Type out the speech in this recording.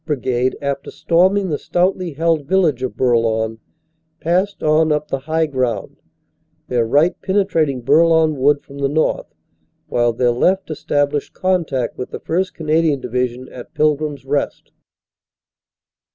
Brigade, after storming the stoutly held village of Bourlon, passed on up the high ground, their right penetrating Bourlon Wood from the north, while their left established contact with the 1st. Cana dian Division at Pilgrim s Rest.